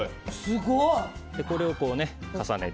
これを重ねて。